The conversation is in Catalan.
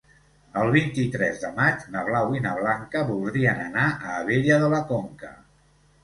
El vint-i-tres de maig na Blau i na Blanca voldrien anar a Abella de la Conca.